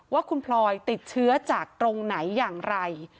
ว่าคุณพลอยติดเชื้อจากตรงไหนอย่างไร